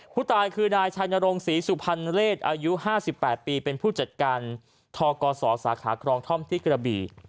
ผู้ตายคือนายชัยนรงศรีสุพรรณเศษอายุ๕๘ปีเป็นผู้จัดการทกศสาขาครองท่อมที่กระบี่